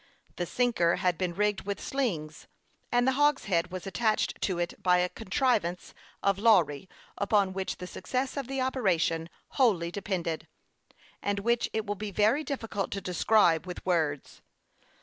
The sinker had been rigged with slings, and the hogshead was attached to it by a contrivance of Lawry, upon which the success of the operation wholly depended, and which it will be very difficult to describe with words.